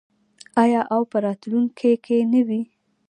آیا او په راتلونکي کې نه وي؟